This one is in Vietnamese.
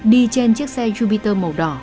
đi trên chiếc xe jupiter màu đỏ